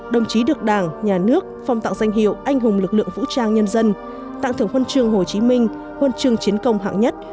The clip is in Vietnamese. đồng chí được đảng nhà nước phong tặng danh hiệu anh hùng lực lượng vũ trang nhân dân tặng thưởng huân chương hồ chí minh huân chương chiến công hạng nhất